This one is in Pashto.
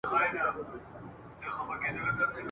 ستا به هېر سوی یم خو زه دي هېرولای نه سم !.